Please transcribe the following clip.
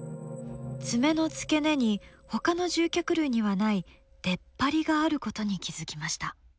爪の付け根にほかの獣脚類にはない出っ張りがあることに気付きました。